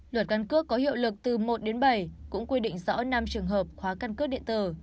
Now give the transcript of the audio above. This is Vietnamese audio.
luật căn cước có hiệu lực từ một đến bảy cũng quy định rõ năm trường hợp khóa căn cước điện tử